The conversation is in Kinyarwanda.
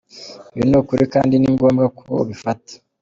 Ibi ni ukuri kandi ni ngombwa ko ubifata.